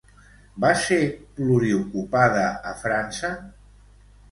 Va ser pluriocupada a França?